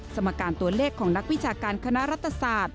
สมการตัวเลขของนักวิชาการคณะรัฐศาสตร์